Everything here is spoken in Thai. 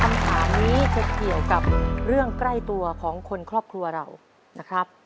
คำถามนี้จะเกี่ยวกับเรื่องใกล้ตัวของคนครอบครัวเรานะครับ